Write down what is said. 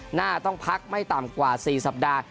หน้าต้องพักไม่ต่ำกว่า๔สัปดาห์